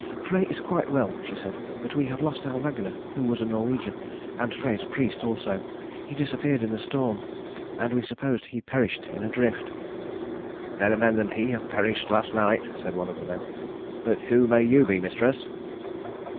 "Frey is quite well," she said, "but we have lost our wagoner, who was a Norwegian, and Frey's priest also. He disappeared in the storm, and we suppose he perished in a drift." "Better men than he have perished last night," said one of the men. "But who may you be, mistress?"